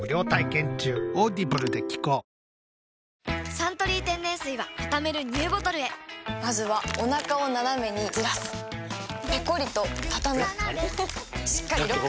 「サントリー天然水」はたためるＮＥＷボトルへまずはおなかをナナメにずらすペコリ！とたたむしっかりロック！